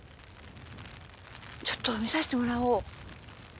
ちょっと見させてもらおう。